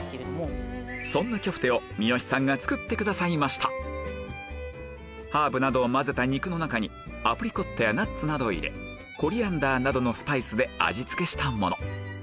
そんなキョフテを三好さんが作ってくださいましたハーブなどを混ぜた肉の中にアプリコットやナッツなどを入れコリアンダーなどのスパイスで味付けしたもの